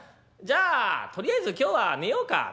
じゃあとりあえず今日は寝ようか」。